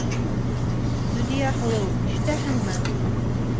Зүдиә һылыу, ишетәһеңме?